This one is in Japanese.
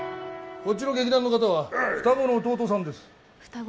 こっちの劇団の方は双子の弟さんです双子？